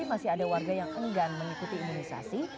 masih ada warga yang enggan mengikuti imunisasi